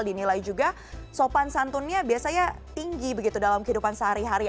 dinilai juga sopan santunnya biasanya tinggi begitu dalam kehidupan sehari hari